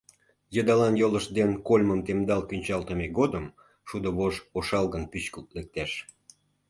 Йыдалан йолышт ден кольмым темдал кӱнчалтыме годым шудо вож ошалгын пӱчкылт лектеш.